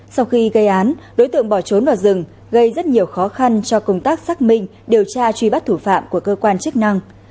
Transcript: sau khi gây án đối tượng bỏ trốn vào rừng gây rất nhiều khó khăn cho công tác xác minh điều tra truy bắt thủ phạm của cơ quan chức năng